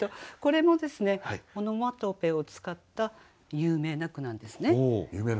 これもですねオノマトペを使った有名な句なんですね。